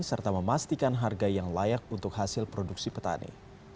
serta memastikan harga yang layak untuk hasil produksi petani